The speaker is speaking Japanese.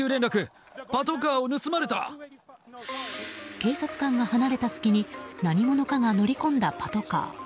警察官が離れた隙に何者かが乗り込んだパトカー。